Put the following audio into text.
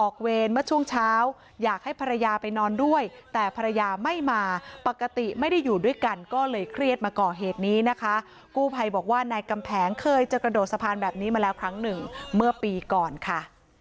เคยจะกระโดดสะพานแบบนี้มาแล้วครั้งหนึ่งเมื่อปีก่อนค่ะ